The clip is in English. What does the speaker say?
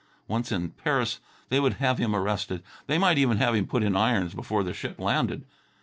Once in Paris they would have him arrested. They might even have him put in irons before the ship landed.